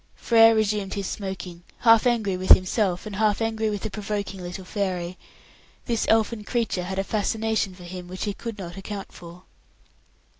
Frere resumed his smoking, half angry with himself, and half angry with the provoking little fairy. This elfin creature had a fascination for him which he could not account for.